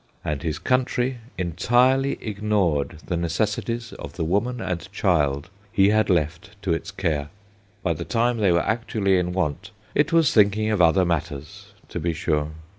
And his country entirely ignored the necessities of the woman and child he had left to its care. By the time they were actually in want it was thinking of other matters, to be sure.